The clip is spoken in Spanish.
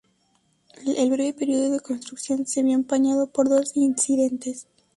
El breve período de construcción se vio empañado por dos incidentes.